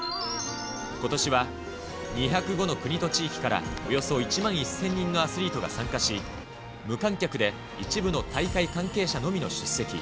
ことしは２０５の国と地域からおよそ１万１０００人のアスリートが参加し、無観客で一部の大会関係者のみの出席。